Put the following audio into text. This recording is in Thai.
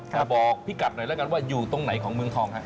แต่บอกพี่กัดหน่อยแล้วกันว่าอยู่ตรงไหนของเมืองทองฮะ